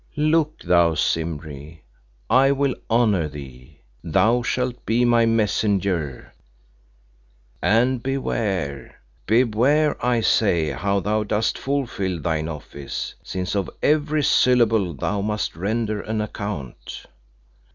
"Look thou, Simbri, I will honour thee. Thou shalt be my messenger, and beware! beware I say how thou dost fulfil thine office, since of every syllable thou must render an account.